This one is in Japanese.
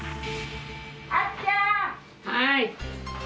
はい。